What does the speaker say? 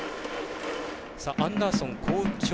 アンダーソン、好調。